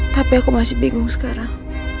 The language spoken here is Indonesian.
tapi aku masih bingung sekarang